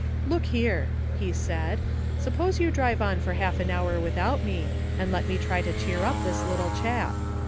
''Look here," he said, "suppose you drive on for half an hour without me, and let me try to cheer up this little chap?